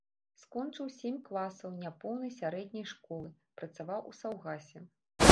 Скончыў сем класаў няпоўнай сярэдняй школы, працаваў у саўгасе.